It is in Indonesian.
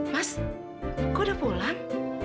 mas kau udah pulang